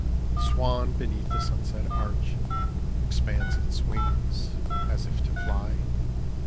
The swan beneath the sunset arch Expands its wings, as if to fly.